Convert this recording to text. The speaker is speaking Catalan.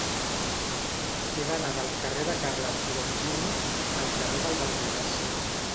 He d'anar del carrer de Carles Pirozzini al carrer del Berlinès.